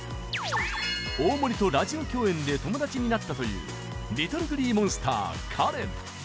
大森とラジオ共演で友達になったという ＬｉｔｔｌｅＧｒｅｅＭｏｎｓｔｅｒ かれん